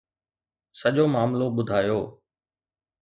سڄو معاملو ٻڌايو.